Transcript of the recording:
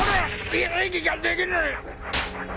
［い息ができねえ！］